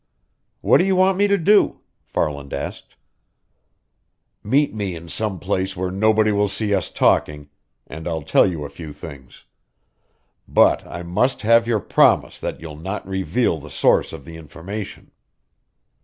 "What do you want me to do?" Farland asked. "Meet me in some place where nobody will see us talking, and I'll tell you a few things. But I must have your promise that you'll not reveal the source of the information."